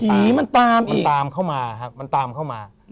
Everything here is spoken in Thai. หนีมันตามมันตามเข้ามาครับมันตามเข้ามา